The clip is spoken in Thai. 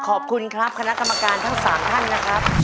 ขอบคุณครับคณะกรรมการทั้ง๓ท่านนะครับ